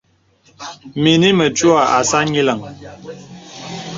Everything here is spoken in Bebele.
Mìnī mətuə̀ àsā nyìləŋ.